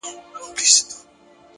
پوهه د ذهن افق ته رڼا ورکوي.!